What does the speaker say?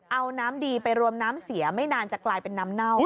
เอาน้ำดีไปรวมน้ำเสียไม่นานจะกลายเป็นน้ำเน่า